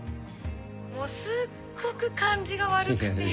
もうすっごく感じが悪くて。